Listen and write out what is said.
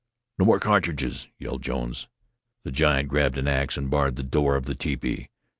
"No more cartridges!" yelled Jones. The giant grabbed the ax, and barred the door of the tepee.